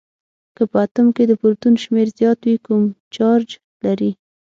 که په اتوم کې د پروتون شمیر زیات وي کوم چارج لري؟